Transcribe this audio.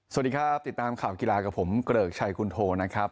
สวัสดีครับติดตามข่าวกีฬากับผมเกริกชัยคุณโทนะครับ